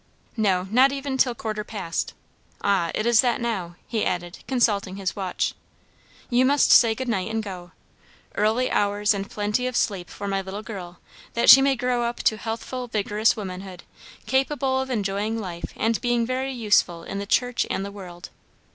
"No, not even a till quarter past. Ah, it is that now," he added, consulting his watch. "You must say good night and go. Early hours and plenty of sleep for my little girl, that she may grow up to healthful, vigorous womanhood, capable of enjoying life and being very useful in the church and the world."